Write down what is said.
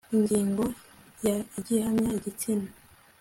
ingingo ya igihamya igitsina